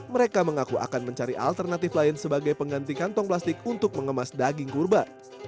mereka mengaku akan mencari alternatif lain sebagai pengganti kantong plastik untuk mengemas daging kurban